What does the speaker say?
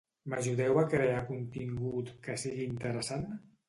M'ajudeu a crear contingut que sigui interessant?